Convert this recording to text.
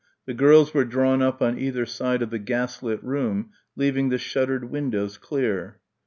The girls were drawn up on either side of the gaslit room leaving the shuttered windows clear.